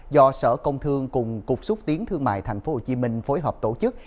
do sở công thương cùng cục xúc tiến thương mại tp hcm phối hợp tổ chức